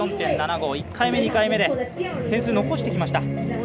１回目、２回目で点数残してきました。